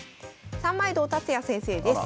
三枚堂達也先生です。